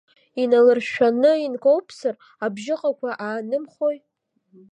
Иналыршәшәаны инкоуԥсар, абжьыҟақәа аанымхои!